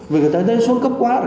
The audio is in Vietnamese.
vì người ta đến xuống cấp quá rồi